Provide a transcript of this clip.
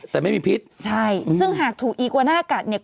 แต่ไม่มีพิษใช่ซึ่งหากถูกอีกวาหน้ากัดเนี่ย